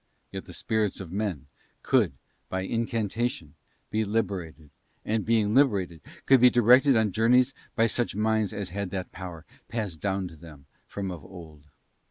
Yet the spirits of men could by incantation be liberated, and being liberated, could be directed on journeys by such minds as had that power passed down to them from of old.